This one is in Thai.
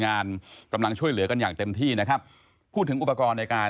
ที่วันนี้กรุณามาให้ข้อมูลกันขอบคุณครับสวัสดีครับ